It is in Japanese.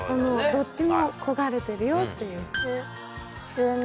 どっちにも焦がれてるよっていう。